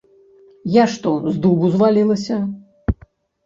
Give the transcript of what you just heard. Я што, з дубу звалілася?